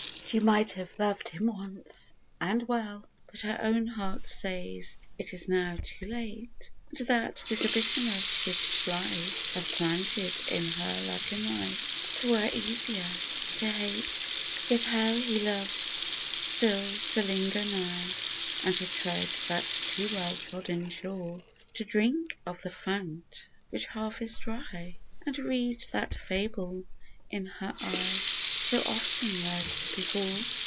she might have loved him once, and well, But her own heart says it is now too late, And that with the bitterness which Life Hath planted in her like a knife, — 'Twere easier to hate !" She cannot love Him as well as /.'* 33 Yet how he loves still to linger nigh, And to tread that too well trodden shore, To drink of the fount which half is dry, And read that fable in her eye So often read before